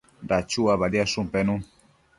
Dachua badiadshun pennu